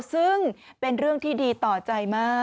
ซึ่งเป็นเรื่องที่ดีต่อใจมาก